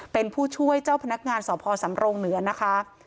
เป็นผู้ช่วยเจ้าพนักงานสพสำรงเหนือนะคะ